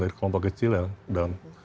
dari kelompok kecil dalam